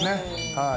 はい。